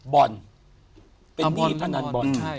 บอลเป็นหนี้พนันบอล